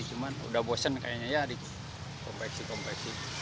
cuman sudah bosan kayaknya ya di kompleksi kompleksi